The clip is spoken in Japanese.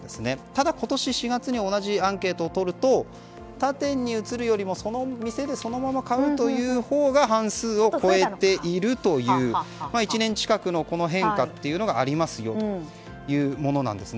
ただ、今年４月に同じアンケートをとると他店に移るよりもその店でそのまま買うほうが半数を超えていえるという１年近くの変化というのがありますよというものです。